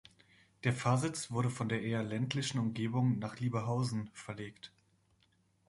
Der Pfarrsitz wurde von der eher ländlichen Umgebung nach Lieberhausen verlegt.